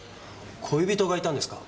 恋人がいたんですか？